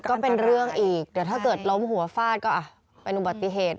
ก็เป็นเรื่องอีกเดี๋ยวถ้าเกิดล้มหัวฟาดก็เป็นอุบัติเหตุ